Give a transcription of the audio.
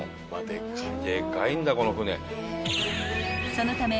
［そのため］